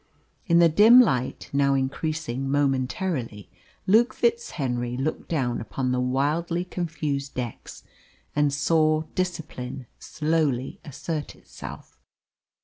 In the dim light now increasing momentarily, Luke FitzHenry looked down upon the wildly confused decks and saw discipline slowly assert itself.